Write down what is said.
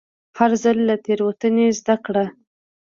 هر ځل له تېروتنې زده کړه.